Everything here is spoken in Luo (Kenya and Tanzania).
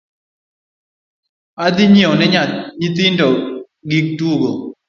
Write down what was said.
Adhi nyieo ne nyithindo gik tugo